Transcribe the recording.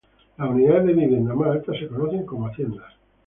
Las unidades de vivienda más altas se conocen como haciendas.